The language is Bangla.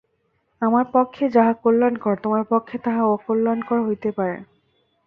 আমার পক্ষে যাহা কল্যাণকর, তোমার পক্ষে তাহা অকল্যাণকর হইতে পারে।